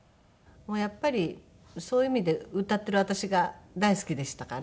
やっぱりそういう意味で歌っている私が大好きでしたから。